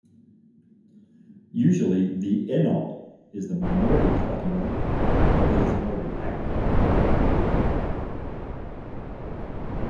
Usually the enol is the minority tautomer, but it is more reactive.